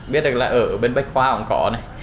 biết được là ở bên bách khoa cũng có này